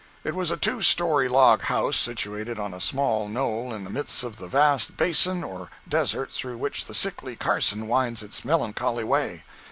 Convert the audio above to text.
It was a two story log house situated on a small knoll in the midst of the vast basin or desert through which the sickly Carson winds its melancholy way.